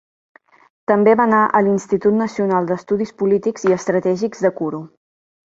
També va anar a l'Institut Nacional d'Estudis polítics i Estratègics de Kuru.